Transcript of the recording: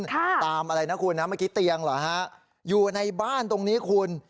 ตามอะไรนะคุณนะเมื่อกี้เตียงเหรอฮะอยู่ในบ้านตรงนี้คุณ